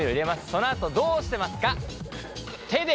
そのあとどうしてますか？